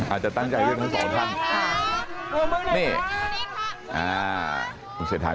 อาจจะตั้งใจเยี่ยมทั้ง๒ท่าน